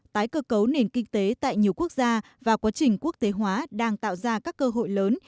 tái cơ cấu nền kinh tế tại nhiều quốc gia và quá trình quốc tế hóa đang tạo ra các cơ hội lớn